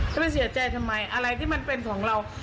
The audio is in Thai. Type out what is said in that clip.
ไม่เสียใจทำไมอะไรที่มันเป็นของเรา